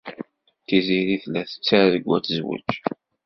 Tiziri tella tettargu ad tezweǧ.